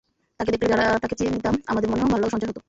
তাকে দেখলে, যারা তাকে চিনিতাম, আমাদের মনেও ভালোলাগার সঞ্চার হতো।